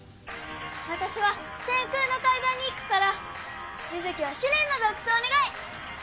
私は天空の階段に行くからユヅキは試練の洞窟をお願い。